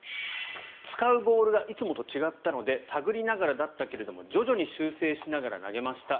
使うボールがいつもと違ったので探りながらだったけれども徐々に修正しながら投げました